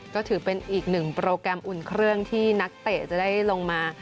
ก็ถือเป็นอีกหนึ่งโปรแกรมอุ่นเครื่องที่นักเตะจะได้ลงมา